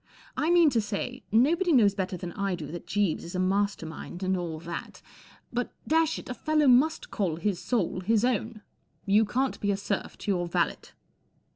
I mean to say, nobody knows better than I do that Jeeves is a master mind and all that, but, dash it, a fellow must call his soul his own* You can t be a serf to your valet.